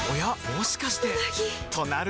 もしかしてうなぎ！